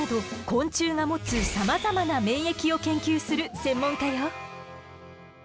昆虫が持つさまざまな免疫を研究する専門家よ。